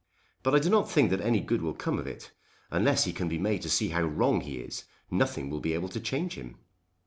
But I do not think that any good will come of it. Unless he can be made to see how wrong he is nothing will be able to change him.